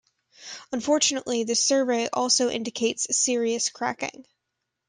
Unfortunately, the survey also indicates serious cracking.